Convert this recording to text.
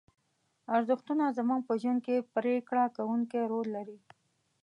ارزښتونه زموږ په ژوند کې پرېکړه کوونکی رول لري.